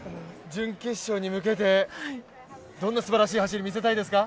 準決勝に向けてどんなすばらしい走りを見せたいですか。